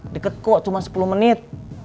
deket kok cuma sepuluh menit